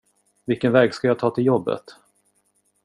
Vilken väg ska jag ta till jobbet?